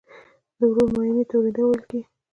د ورور ماینې ته وریندار ویل کیږي.